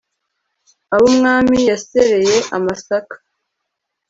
abo umwami yasereye amasaka